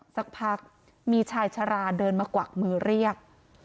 สักพักมีชายชะลาเดินมากวักมือเรียก